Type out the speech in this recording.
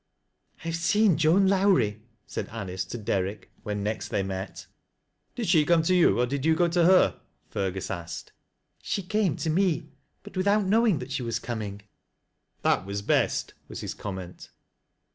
" I have seen Joan Lowrie," said Anice to Derrick, ■" when next they met. " Did she come to you, or did you go to her ?" Fergu? asked. " She came to me, but without knowing that she waa coming." " That was best," was his comment.